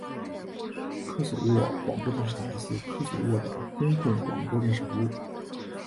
科索沃广播电视台是科索沃的公共广播电视服务。